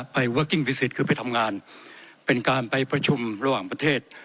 เวิร์กกิ้งวิสิตคือไปทำงานเป็นการไปประชุมระหว่างประเทศ